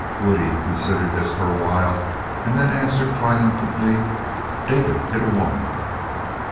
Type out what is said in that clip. Woodie considered this for a while and then answered triumphantly, "David hit a woman."